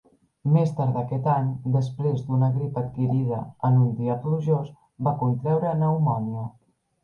Més tard d'aquest any, després d'una grip adquirida en un dia plujós, va contreure pneumònia.